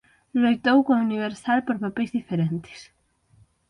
Loitou coa Universal por papeis diferentes.